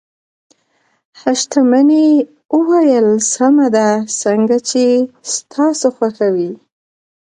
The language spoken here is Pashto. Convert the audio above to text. حشمتي وويل سمه ده څنګه چې ستاسو خوښه وي.